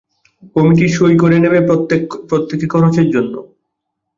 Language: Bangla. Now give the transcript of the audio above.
কমিটির সই করে নেবে প্রত্যেক খরচের জন্য।